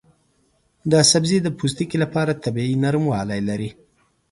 دا سبزی د پوستکي لپاره طبیعي نرموالی لري.